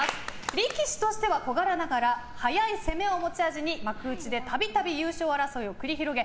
力士としては小柄ながら速い攻めを持ち味に幕内でたびたび優勝争いを繰り広げ